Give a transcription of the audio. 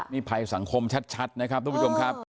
นี่ภัยสังคมชัดนะครับทุกผู้ชมครับ